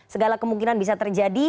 segala kemungkinan bisa terjadi